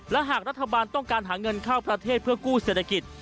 และหากรัฐบาลต้องการหาเงินเข้าประเทศเพื่อกู้เศรษฐกิจ